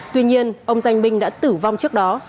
tuy nhiên ông danh binh đã tử vong trước đó